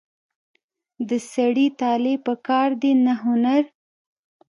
د سړي طالع په کار ده نه هنر.